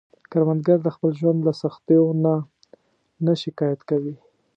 کروندګر د خپل ژوند له سختیو نه نه شکايت کوي